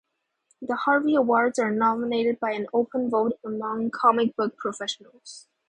The Harvey Awards are nominated by an open vote among comic-book professionals.